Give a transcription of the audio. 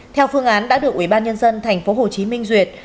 theo phương án đã được ubnd tp hcm duyệt